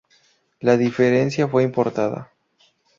La diferencia fue importada.